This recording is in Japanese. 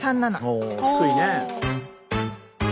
お低いね！